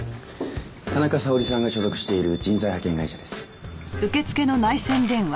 田中沙織さんが所属している人材派遣会社です。